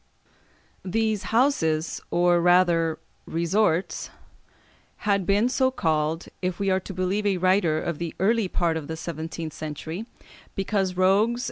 These houses, or rather resorts, had been so called, if we are to believe a writer of the early part of the seventeenth century, "Because rogues